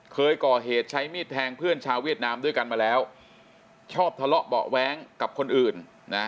เคยก่อเหตุใช้มีดแทงเพื่อนชาวเวียดนามด้วยกันมาแล้วชอบทะเลาะเบาะแว้งกับคนอื่นนะ